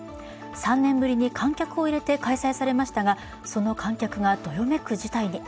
３年ぶりに観客を入れて開催されましたがその観客がどよめる事態に。